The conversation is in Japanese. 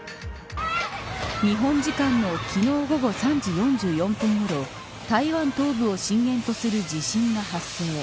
日本時間の昨日、午後３時４４分ごろ台湾東部を震源とする地震が発生。